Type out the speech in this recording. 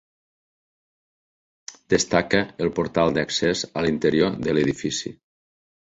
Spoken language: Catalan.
Destaca el portal d'accés a l'interior de l'edifici.